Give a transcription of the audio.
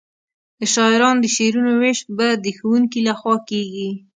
د شاعرانو د شعرونو وېش به د ښوونکي له خوا کیږي.